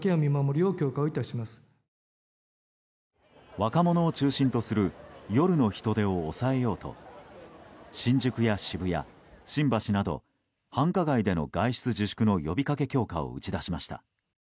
若者を中心とする夜の人出を抑えようと新宿や渋谷、新橋など繁華街での外出自粛の呼びかけ強化を打ち出しました。